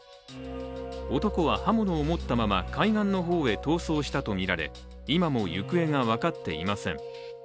男は刃物を持ったまま海外の方へ逃走したとみられ、今も行方が分かっていません。